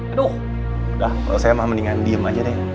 aduh udah kalau saya mah mendingan diem aja deh